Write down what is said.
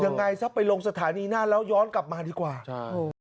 ยังไงซะไปลงสถานีหน้าแล้วย้อนกลับมาดีกว่าใช่